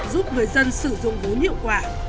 giúp người dân sử dụng vốn hiệu quả